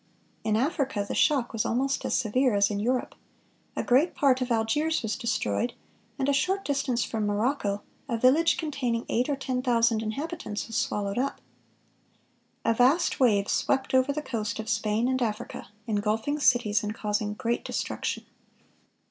In Africa the shock was almost as severe as in Europe. A great part of Algiers was destroyed; and a short distance from Morocco, a village containing eight or ten thousand inhabitants was swallowed up. A vast wave swept over the coast of Spain and Africa, engulfing cities, and causing great destruction.